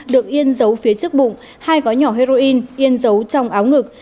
được yên giấu phía trước bụng hai gói nhỏ heroin yên giấu trong áo ngực